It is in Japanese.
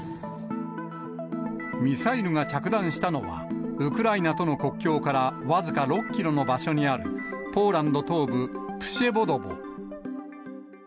ミサイルが着弾したのは、ウクライナとの国境から僅か６キロの場所にある、ポーランド東部、プシェヴォドヴォ。